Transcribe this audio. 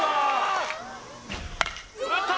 打った！